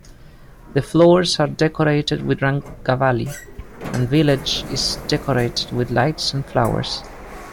The floors are decorated with rangavalli and village is decorated with lights and flowers.